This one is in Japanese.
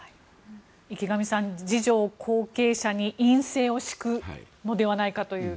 池上さん次女を後継者に院政を敷くのではないかという。